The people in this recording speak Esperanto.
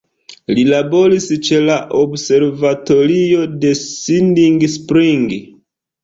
Li laboris ĉe la Observatorio de Siding Spring.